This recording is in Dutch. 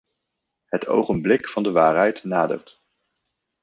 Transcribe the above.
Het ogenblik van de waarheid nadert.